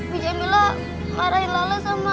pak jamilah marahi lala sama bu kelin lala